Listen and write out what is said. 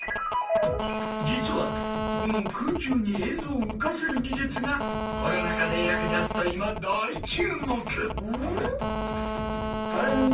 実はこの空中に映像を浮かせる技術がコロナ禍で役立つと今大注目。